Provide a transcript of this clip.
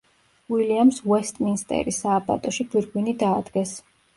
უილიამს უესტმინსტერის სააბატოში გვირგვინი დაადგეს.